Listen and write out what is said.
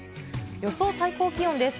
予想最高気温です。